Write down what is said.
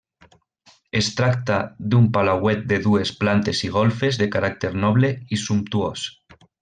Es tracta d'un palauet de dues plantes i golfes, de caràcter noble i sumptuós.